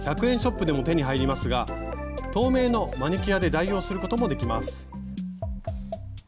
１００円ショップでも手に入りますが透明のマニキュアで代用することもできます。